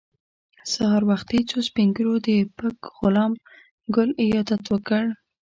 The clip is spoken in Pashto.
سهار وختي څو سپین ږیرو د پک غلام ګل عیادت وکړ.